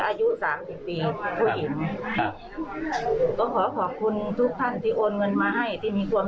อายุสามสิบปีผู้หญิงครับก็ขอขอบคุณทุกท่านที่โอนเงินมาให้ที่มีความ